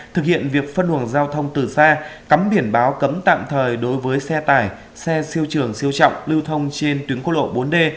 thực hiện việc phân luồng giao thông từ xa cắm biển báo cấm tạm thời đối với xe tải xe siêu trường siêu trọng lưu thông trên tuyến quốc lộ bốn d